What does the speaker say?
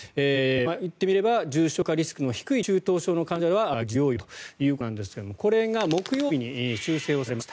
言ってみれば重症化リスクの低い中等症の患者は原則自宅療養だということですがこれが木曜日に修正されました。